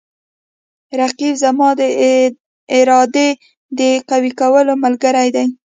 رقیب زما د ارادې د قوي کولو ملګری دی